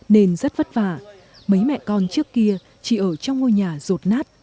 nên rất vất vả mấy mẹ con trước kia chỉ ở trong ngôi nhà rột nát